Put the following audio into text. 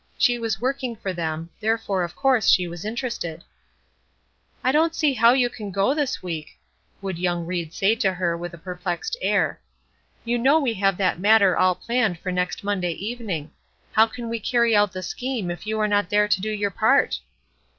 She was working for them, therefore of course she was interested. "I don't see how you can go this week?" would young Ried say to her, with a perplexed air; "you know we have that matter all planned for next Monday evening. How can we carry out the scheme if you are not there to do your part?"